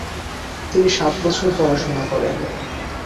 তিনি সাত বছর পড়াশোনা করেন।